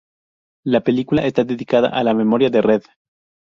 La película está dedicada a la memoria de Reed.